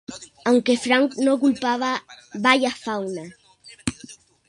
Aunque Frank no culpaba a "¡Vaya fauna!